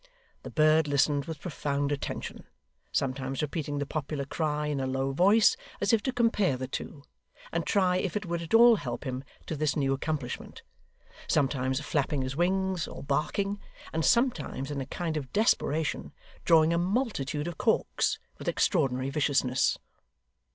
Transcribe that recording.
The bird listened with profound attention; sometimes repeating the popular cry in a low voice, as if to compare the two, and try if it would at all help him to this new accomplishment; sometimes flapping his wings, or barking; and sometimes in a kind of desperation drawing a multitude of corks, with extraordinary viciousness.